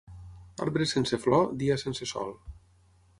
Arbre sense flor, dia sense sol.